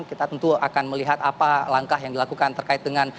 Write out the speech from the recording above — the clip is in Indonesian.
kita tentu akan melihat apa langkah yang dilakukan terkait dengan